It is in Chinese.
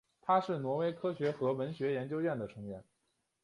他是挪威科学和文学研究院的成员。